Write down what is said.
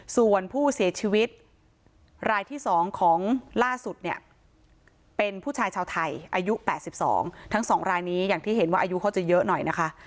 ส่วนผู้เสียชีวิตรายที่๒ของล่าสุดเนี่ยเป็นผู้ชายชาวไทยอายุ๘๒ทั้ง๒รายนี้อย่างที่เห็นว่าอายุเขาจะเยอะหน่อยนะคะ